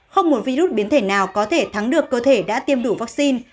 không một virus biến thể nào có thể thắng được cơ thể đã tiêm đủ vaccine